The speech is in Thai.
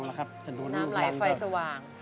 น้ำไหลไฟสว่าง